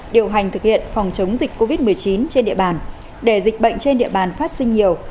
điều hành thực hiện phòng chống dịch covid một mươi chín trên địa bàn để dịch bệnh trên địa bàn phát sinh nhiều